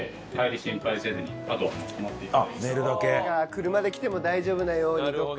車で来ても大丈夫なようにとか。